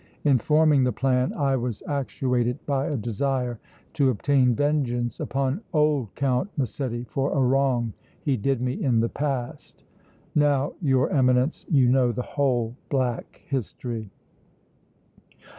In forming the plan I was actuated by a desire to obtain vengeance upon old Count Massetti for a wrong he did me in the past! Now, your Eminence, you know the whole black history!"